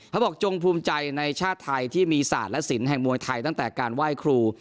จงภูมิใจในชาติไทยที่มีศาสตร์และศิลป์แห่งมวยไทยตั้งแต่การไหว้ครู